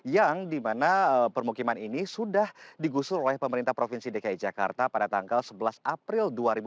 yang dimana permukiman ini sudah digusur oleh pemerintah provinsi dki jakarta pada tanggal sebelas april dua ribu dua puluh